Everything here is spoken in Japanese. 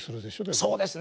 そうですね